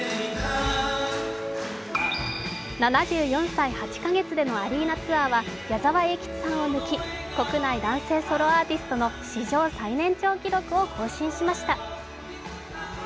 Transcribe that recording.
７４歳８カ月でのアリーナツアーは矢沢永吉さんを抜き、国内男性ソロアーティストの史上最年長記録を更新しました。